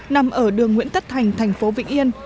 nằm ở đường nguyễn tất thành thành phố vĩnh yên